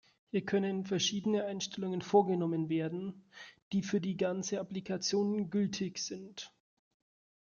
Hier können verschiedene Einstellungen vorgenommen werden, die für die ganze Applikation gültig sind.